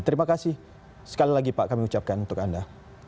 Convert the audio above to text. terima kasih sekali lagi pak kami ucapkan untuk anda